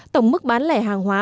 tổng mức bán lẻ hàng hóa